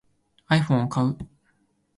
iPhone を買う